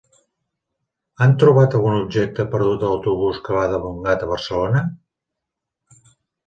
Han trobat algun objecte perdut a l'autobús que va de Montgat a Barcelona?